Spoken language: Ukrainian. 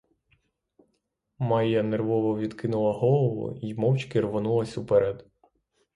Майя нервово відкинула голову й мовчки рвонулась уперед.